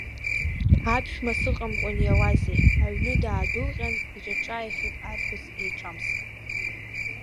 Аԥшәма сыҟамкәа иауазеи, аҩны даадәылҟьан иаҿааихеит арԥыс еиҿамск.